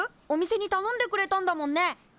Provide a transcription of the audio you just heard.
お店にたのんでくれたんだもんね。